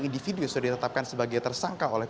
individu yang sudah ditetapkan sebagai tersangka oleh